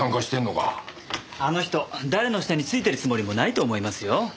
あの人誰の下についてるつもりもないと思いますよ。